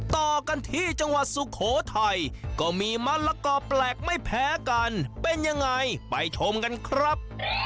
ต่อกันที่จังหวัดสุโขทัยก็มีมะละกอแปลกไม่แพ้กันเป็นยังไงไปชมกันครับ